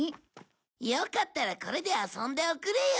よかったらこれで遊んでおくれよ。